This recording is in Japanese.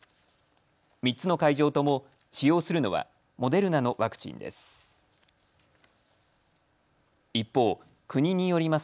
３つの会場とも使用するのはモデルナのワクチンです。